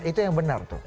itu yang benar tuh